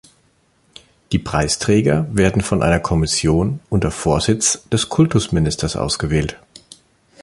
Die Preisträger werden von einer Kommission unter Vorsitz des Kultusministers ausgewählt.